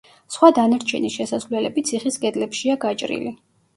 სხვა დანარჩენი შესასვლელები ციხის კედლებშია გაჭრილი.